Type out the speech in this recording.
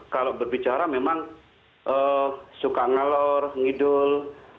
kalau berbicara memang suka ngalor ngidul